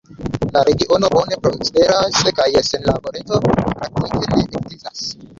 La regiono bone prosperas kaj senlaboreco praktike ne ekzistas.